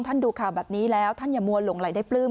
ดูข่าวแบบนี้แล้วท่านอย่ามัวหลงไหลได้ปลื้ม